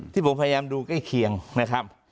ที่ผมพยายามดูใกล้เคียงนะครับ